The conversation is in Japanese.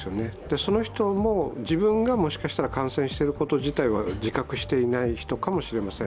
その人も自分がもしかしたら感染していること自体は自覚していない人かもしれません。